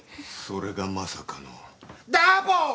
それがまさかのダブル！